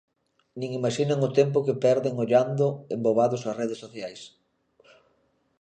Nin imaxinan o tempo que perden ollando embobados as redes sociais...